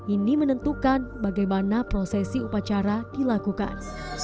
ini menentukan bagaimana prosesi upacara dilakukan